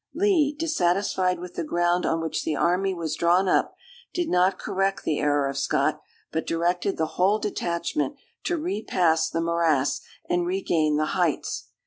Lee, dissatisfied with the ground on which the army was drawn up, did not correct the error of Scott, but directed the whole detachment to repass the morass, and regain the heights.